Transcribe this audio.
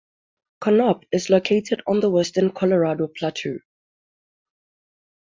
Kanab is located on the western Colorado Plateau.